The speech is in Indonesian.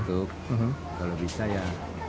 untuk kalau bisa ya